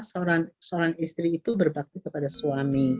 seorang istri itu berbakti kepada suami